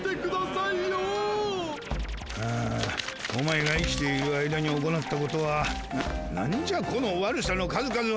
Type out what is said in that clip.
あオマエが生きている間に行ったことはなんじゃこの悪さの数々は。